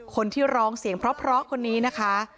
คนที่ร้องเสียงเพราะคนนี้นะคะ